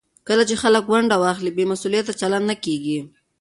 کله چې خلک ونډه واخلي، بې مسوولیته چلند نه کېږي.